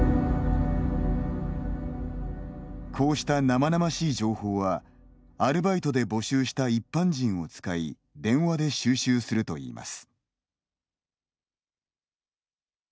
こうした生々しい情報はアルバイトで募集した一般人を使い、電話で収集するといいます。